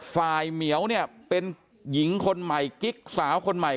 ฝ่ายเหมียวเป็นหญิงคนใหม่กิ๊กสาวคนใหม่